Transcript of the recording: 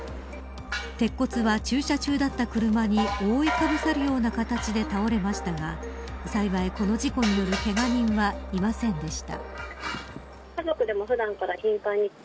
鉄骨は駐車中だった車に覆いかぶさるような形で倒れましたが幸い、この事故によるけが人はいませんでした。